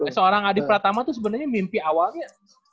seorang adi pratama tuh sebenernya mimpi awalnya